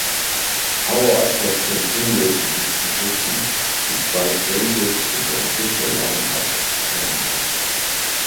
Howard has continued in this position despite changes to the official line-up of Paramore.